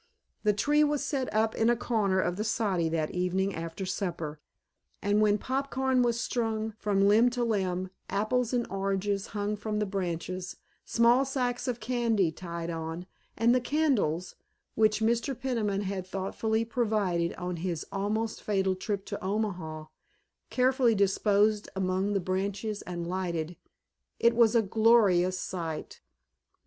The tree was set up in a corner of the soddy that evening after supper, and when pop corn was strung from limb to limb, apples and oranges hung from the branches, small sacks of candy tied on, and the candles, which Mr. Peniman had thoughtfully provided on his almost fatal trip to Omaha, carefully disposed among the branches and lighted, it was a gorgeous sight.